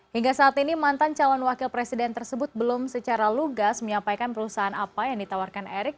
hingga saat ini mantan calon wakil presiden tersebut belum secara lugas menyampaikan perusahaan apa yang ditawarkan erick